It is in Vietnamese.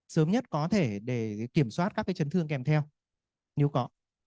sớm nhất có thể để kiểm soát các chấn thương kèm theo nếu có